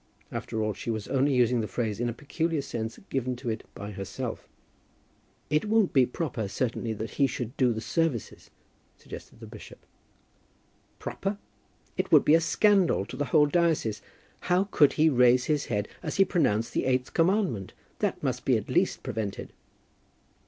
After all she was only using the phrase in a peculiar sense given to it by herself. [Illustration: "A convicted thief," repeated Mrs. Proudie.] "It won't be proper, certainly, that he should do the services," suggested the bishop. "Proper! It would be a scandal to the whole diocese. How could he raise his head as he pronounced the eighth commandment? That must be at least prevented."